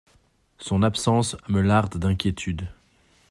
Son absence me larde d’inquiétude.